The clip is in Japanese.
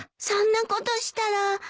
そんなことしたら。